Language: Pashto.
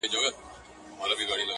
قاسم یار او د نشې یې سره څه-